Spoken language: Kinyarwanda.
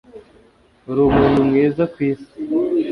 Uri umuntu mwiza kw isi